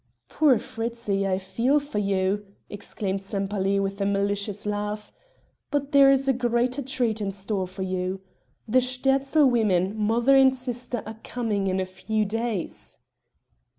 "Poor Fritzi! I feel for you!" exclaimed Sempaly with a malicious laugh. "But there is a greater treat in store for you. The Sterzl women, mother and sister, are coming in a few days."